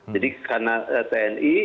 jadi karena tni